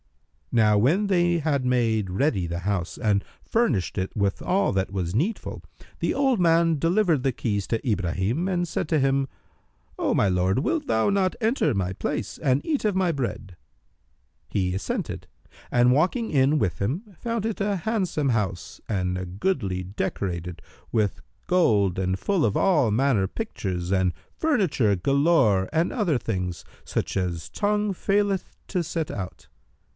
Now when they had made ready the house and furnished it with all that was needful, the old man delivered the keys to Ibrahim and said to him, "O my lord, wilt thou not enter my place and eat of my bread?" He assented and walking in with him, found it a handsome house and a goodly, decorated with gold and full of all manner pictures and furniture galore and other things, such as tongue faileth to set out.